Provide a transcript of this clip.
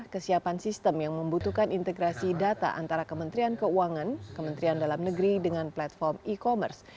kesiapan sistem yang membutuhkan integrasi data antara kementerian keuangan kementerian dalam negeri dengan platform e commerce